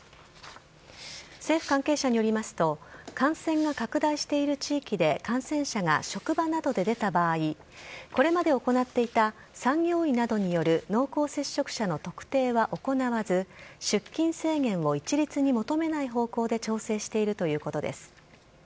政府関係者によりますと、感染が拡大している地域で感染者が職場などで出た場合、これまで行っていた産業医などによる濃厚接触者の特定は行わず、出勤制限を一律に求めない方向で調整しているということです。